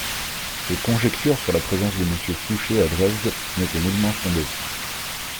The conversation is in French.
Ces conjectures sur la présence de Monsieur Fouché à Dresde n'étaient nullement fondées.